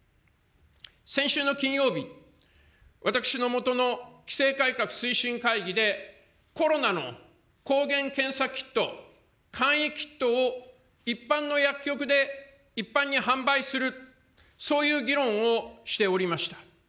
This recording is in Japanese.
先週の金曜日、私のもとの規制改革推進会議で、コロナの抗原検査キット、簡易キットを一般の薬局で一般に販売するそういう議論をしておりました。